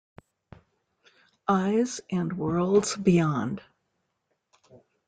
Eyes" and "Worlds Beyond".